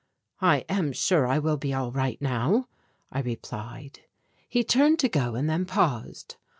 "I am sure I will be all right now," I replied. He turned to go and then paused.